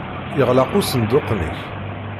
Yeɣleq usenduq-nnek?